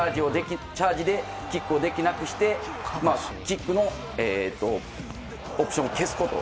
チャージでキックをできなくしてキックのオプションを消すこと